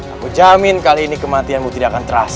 aku jamin kali ini kematianmu tidak akan terasa